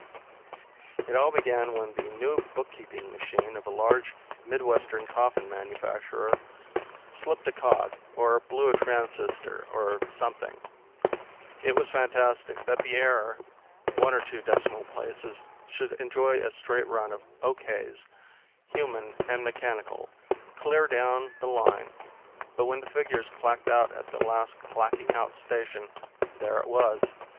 It all began when the new bookkeeping machine of a large Midwestern coffin manufacturer slipped a cog, or blew a transistor, or something. It was fantastic that the error one of two decimal places should enjoy a straight run of okays, human and mechanical, clear down the line; but when the figures clacked out at the last clacking out station, there it was.